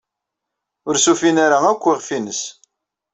Ur as-ufin ara akk iɣef-nnes.